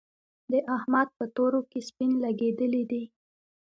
د احمد په تورو کې سپين لګېدلي دي.